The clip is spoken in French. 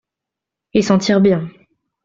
Il s’en tire bien.